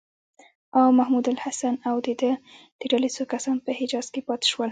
او محمودالحسن او د ده د ډلې څو کسان په حجاز کې پاتې شول.